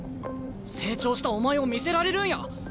成長したお前を見せられるんや。